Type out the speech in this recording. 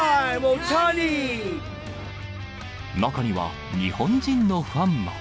中には、日本人のファンも。